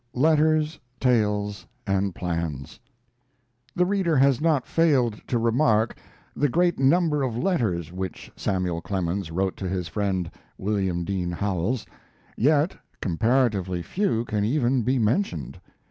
LETTERS, TALES, AND PLANS The reader has not failed to remark the great number of letters which Samuel Clemens wrote to his friend William Dean Howells; yet comparatively few can even be mentioned.